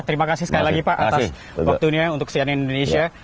terima kasih sekali lagi pak atas waktunya untuk cnn indonesia